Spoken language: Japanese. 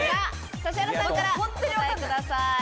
指原さんから、お答えください。